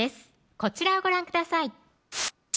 こちらをご覧ください